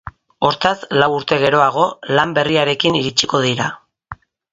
Hortaz, lau urte geroago, lan berriarekin iritsiko dira.